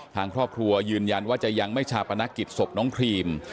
ทางครอบครัวยืนยันว่าจะยังไม่ชาปนกิจศพน้องครีม